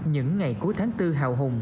những ngày cuối tháng bốn hào hùng